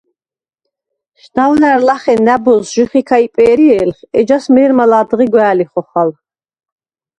შდავლა̈რ ლახე ნა̈ბოზს ჟიხიქა იპვე̄რჲე̄ლხ, ეჯას მე̄რმა ლა̈დღი გვა̄̈ლი ხოხალ.